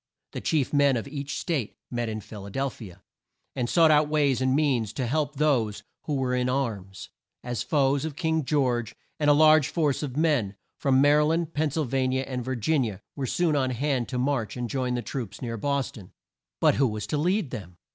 The chief men of each State met in Phil a del phi a, and sought out ways and means to help those who were in arms, as foes of King George, and a large force of men, from Ma ry land, Penn syl va ni a, and Vir gin i a, were soon on hand to march and join the troops near Bos ton. But who was to lead them?